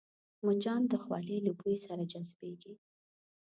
مچان د خولې له بوی سره جذبېږي